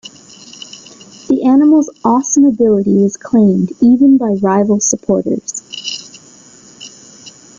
The animal's awesome ability was claimed even by rival supporters.